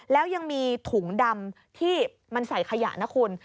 แล้วยังมีถุงดำที่มันใส่ขยะนะคุณ